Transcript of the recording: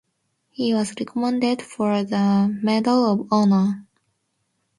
He was recommended for the Medal of Honor.